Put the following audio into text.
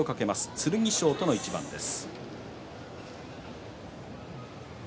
剣翔との一番です。